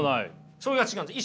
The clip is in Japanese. それが違うんです。